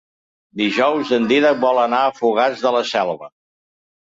Dijous en Dídac vol anar a Fogars de la Selva.